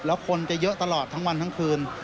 แล้วคนจะเยอะตลอดทั้งวันทั้งคืน